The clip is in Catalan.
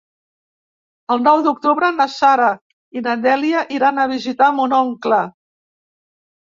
El nou d'octubre na Sara i na Dèlia iran a visitar mon oncle.